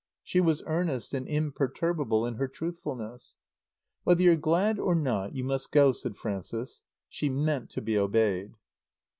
She was earnest and imperturbable in her truthfulness. "Whether you're glad or not you must go," said Frances. She meant to be obeyed.